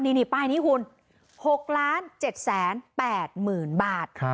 นี่ป้ายนี้คุณ๖๗๘๐๐๐บาท